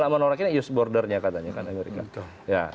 yang menolak ini kan use bordernya katanya kan amerika